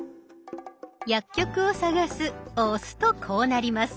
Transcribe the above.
「薬局をさがす」を押すとこうなります。